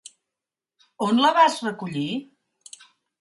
On la vas recollir?